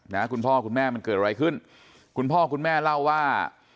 นะคุณพ่อคุณแม่มันเกิดอะไรขึ้นคุณพ่อคุณแม่เล่าว่า